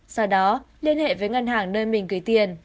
sau đó liên hệ với ngân hàng nơi mình gửi tiền